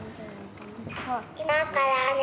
今からね